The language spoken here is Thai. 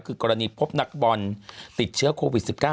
คือกรณีพบนักบอลติดเชื้อโควิด๑๙